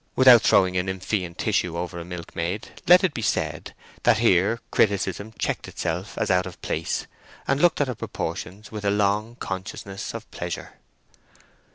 Without throwing a Nymphean tissue over a milkmaid, let it be said that here criticism checked itself as out of place, and looked at her proportions with a long consciousness of pleasure.